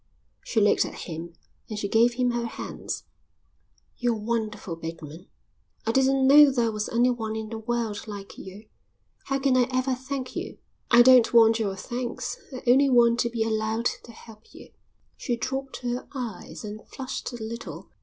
She looked at him and she gave him her hands. "You're wonderful, Bateman. I didn't know there was anyone in the world like you. How can I ever thank you?" "I don't want your thanks. I only want to be allowed to help you." She dropped her eyes and flushed a little.